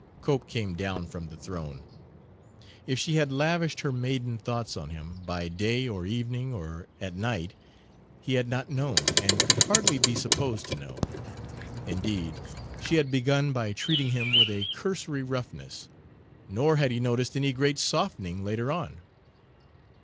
Cope came down from the throne. If she had lavished her maiden thoughts on him, by day or evening or at night, he had not known and could hardly be supposed to know. Indeed, she had begun by treating him with a cursory roughness; nor had he noticed any great softening later on.